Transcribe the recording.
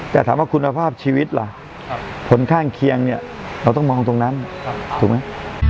แต่ถามว่าคุณภาพชีวิตล่ะผลข้างเคียงเนี่ยเราต้องมองตรงนั้นถูกไหม